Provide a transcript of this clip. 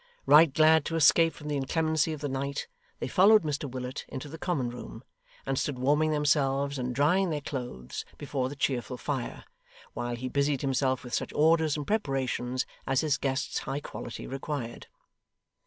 Right glad to escape from the inclemency of the night, they followed Mr Willet into the common room, and stood warming themselves and drying their clothes before the cheerful fire, while he busied himself with such orders and preparations as his guest's high quality required.